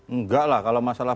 enggak lah kalau masalah